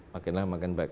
makin lama makin baik